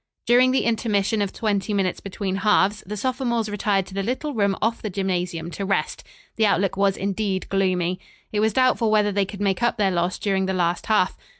During the intermission of twenty minutes between halves, the sophomores retired to the little room off the gymnasium to rest. The outlook was indeed gloomy. It was doubtful whether they could make up their loss during the last half.